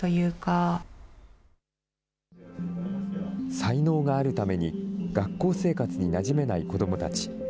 才能があるために、学校生活になじめない子どもたち。